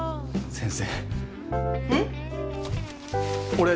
先生？